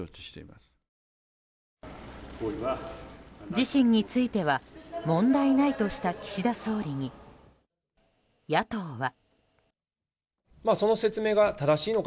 自身については問題ないとした岸田総理に野党は。